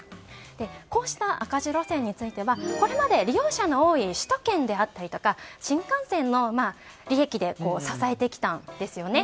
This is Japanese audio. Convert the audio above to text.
こうした赤字路線についてはこれまで利用者の多い首都圏であったりとか新幹線の利益で支えてきたんですよね。